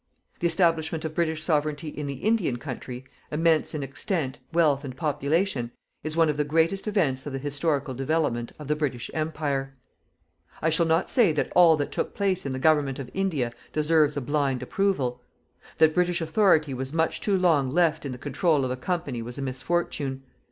The establishment of British Sovereignty in the Indian country, immense in extent, wealth and population, is one of the greatest events of the historical development of the British Empire. I shall not say that all that took place in the government of India deserves a blind approval. That British authority was much too long left in the control of a company was a misfortune.